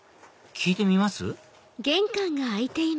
聞いてみます？